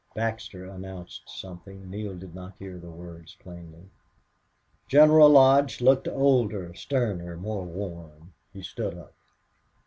Baxter announced something. Neale did not hear the words plainly. General Lodge looked older, sterner, more worn. He stood up.